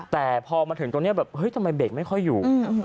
แต่พอมาถึงตรงนี้แบบเฮ้ยทำไมเบรกไม่ค่อยอยู่